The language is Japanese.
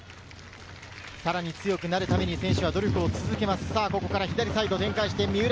さらに強くなるために選手は努力を続けます。